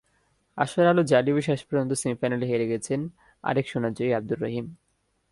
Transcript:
আশার আলো জ্বালিয়েও শেষ পর্যন্ত সেমিফাইনালে হেরে গেছেন আরেক সোনাজয়ী আবদুর রহিম।